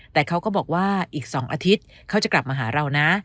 แต่เขาก็บอกว่าอีก๒อาทิตย์เขาจะกลับมาหาเรานะ